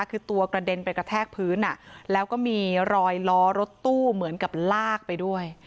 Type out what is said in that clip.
คือตัวกระเด็นไปกระแทกพื้นแล้วก็มีรอยล้อรถตู้เหมือนกับลากไปด้วย